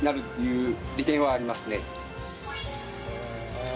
へえ！